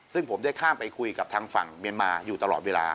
ซึ่งผมได้ข้ามไปคุยกับทางฝั่งเมียนมาอยู่ตลอดเวลา